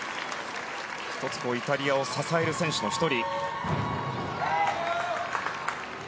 イタリアを支える選手の１人。